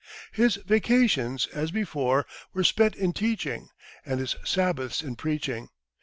His vacations, as before, were spent in teaching, and his Sabbaths in preaching.